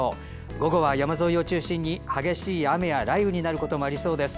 午後は山沿いを中心に激しい雨や雷雨になることもありそうです。